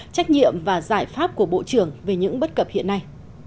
trách nhiệm và giải pháp của bộ trưởng về những bất cập hiện nay